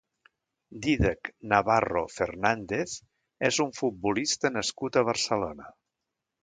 Dídac Navarro Fernández és un futbolista nascut a Barcelona.